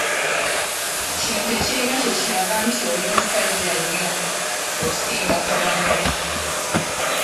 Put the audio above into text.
Kino tekirina kye kiraga nti oli musajja nnyo okusinga ku banno.